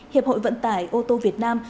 hiệp hội vận tải ô tô việt nam